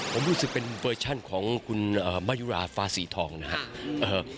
ผมรู้สึกเป็นเวอร์ชั่นของคุณมายุราฟ้าสีทองนะครับ